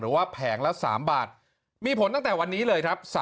แผงละ๓บาทมีผลตั้งแต่วันนี้เลยครับ